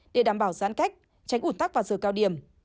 để đảm bảo giãn cách tránh ủn tắc vào giờ cao điểm